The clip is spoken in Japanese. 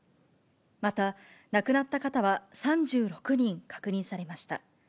また、亡くなった方は３６人確認されました。